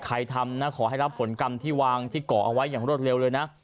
ทำนะขอให้รับผลกรรมที่วางที่เกาะเอาไว้อย่างรวดเร็วเลยนะ